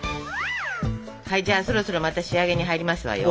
じゃあそろそろまた仕上げに入りますわよ。ＯＫ。